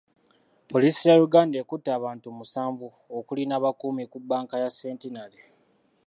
Poliisi ya Uganda ekutte abantu musanvu okuli n'abakuumi ku banka ya Centenary.